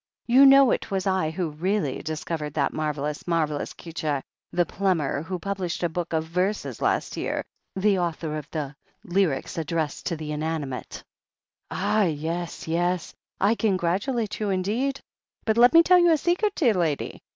You know it was I who really discovered that marvellous, marvellous c'eature, the plumber who published a book of verses last year — ^the author of the 'Lyrics addressed to the Inanimate' ?" "Ah, yes, yes ! I congratulate you indeed. But let me tell you a secret, dear lady.